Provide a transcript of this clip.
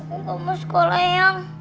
aku gak mau sekolah eyang